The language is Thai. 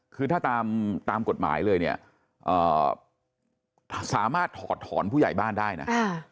คือถ้าตามกฎหมายเลยเนี่ยสามารถถอดถอนผู้ใหญ่บ้านได้นะ